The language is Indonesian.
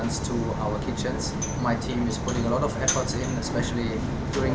ini bukan pengalaman terbaik jika makanan kembali ke dapur kita